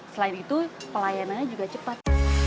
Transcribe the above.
selain itu pelayanannya juga cepat